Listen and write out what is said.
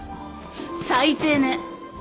最低ね。